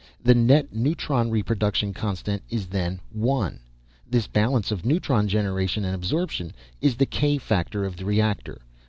The net neutron reproduction constant is then 1. This balance of neutron generation and absorption is the k factor of the reactor.